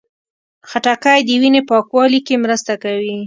خټکی د وینې پاکوالي کې مرسته کوي.